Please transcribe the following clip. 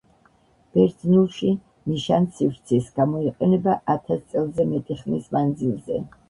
ბერძნულში ნიშანსივრცის გამოიყენება ათას წელზე მეტი ხნის მანძილზე.